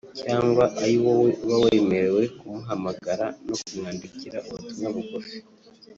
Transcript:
cyangwa ayo wowe uba wemerewe kumuhamagara no kumwandikira ubutumwa bugufi